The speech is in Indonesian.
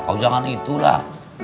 kau jangan itulah